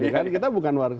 kita bukan warga